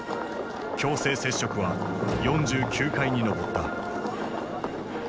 強制摂食は４９回に上った。